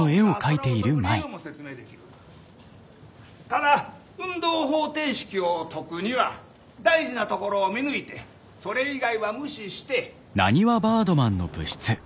ただ運動方程式を解くには大事なところを見抜いてそれ以外は無視して。